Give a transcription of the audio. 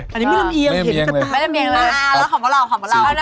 ไม่ลำเอียงผมเห็นลำเอียงเลยนะนั่นของเรามา๔๙๙